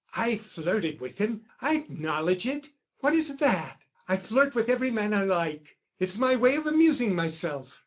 I flirted with him. I acknowledge it. What is that? I flirt with every man I like. It's my way of amusing myself."